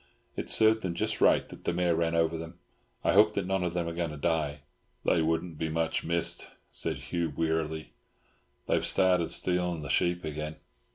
It served them just right that the mare ran over them. I hope that none of them are going to die." "They wouldn't be much missed," said Hugh wearily. "They have started stealing the sheep again."